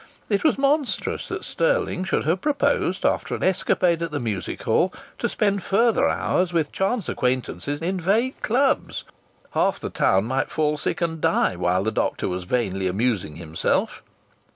It was monstrous that Stirling should have proposed, after an escapade at the music hall, to spend further hours with chance acquaintances in vague clubs! Half the town might fall sick and die while the doctor was vainly amusing himself.